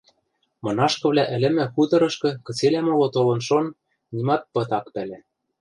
Мынашкывлӓ ӹлӹмӹ хуторышкы кыцелӓ моло толын шон, нимат пыт ак пӓлӹ.